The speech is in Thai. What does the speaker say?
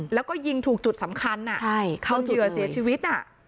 แล้วก็ยิงถูกจุดสำคัญเขาเหยื่อเสียชีวิต